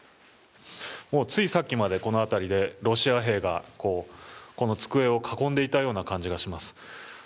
ついさっきまで、この辺りでロシア兵がこの机を囲んでいたような感じがします。